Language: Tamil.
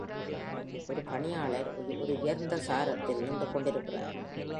ஒரு பணியாளர் ஒரு உயர்ந்த சாரத்தில் நின்று கொண்டிருக்கிறார்.